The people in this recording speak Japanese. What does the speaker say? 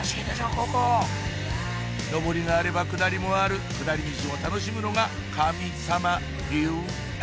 ここ上りがあれば下りもある下りミチを楽しむのがカミ様流アハハ！